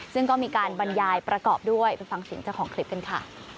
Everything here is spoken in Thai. ซึ่งก็มีการบรรยายประกอบด้วยไปฟังเสียงเจ้าของคลิปกันค่ะ